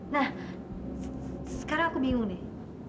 nah sekarang aku bingung nih